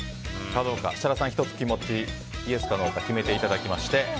設楽さん、１つ気持ちイエスかノーか決めていただきまして。